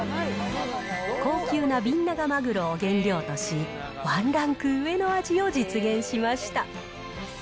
高級なビンナガマグロを原料とし、ワンランク上の味を実現しまし